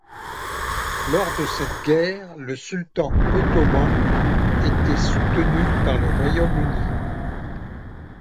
Lors de cette guerre, le sultan ottoman était soutenu par le Royaume-Uni.